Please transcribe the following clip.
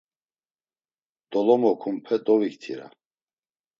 Dolomokunpe doviktira.